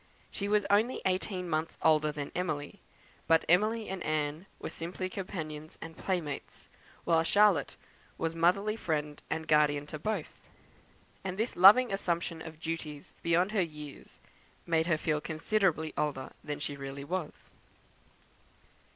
She was only eighteen months older than Emily; but Emily and Anne were simply companions and playmates, while Charlotte was motherly friend and guardian to both; and this loving assumption of duties beyond her years, made her feel considerably older than she really was.